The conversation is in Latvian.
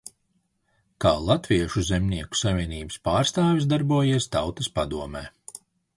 Kā Latviešu zemnieku savienības pārstāvis darbojies Tautas padomē.